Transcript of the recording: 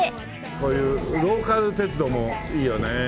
こういうローカル鉄道もいいよね。